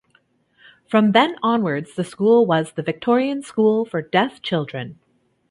From then onwards the school was the Victorian School for Deaf Children.